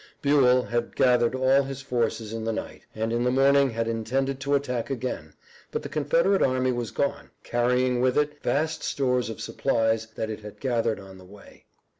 Buell had gathered all his forces in the night, and in the morning had intended to attack again, but the Confederate army was gone, carrying with it vast stores of supplies that it had gathered on the way.